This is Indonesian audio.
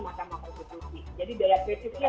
makam persisusi jadi daya kritisnya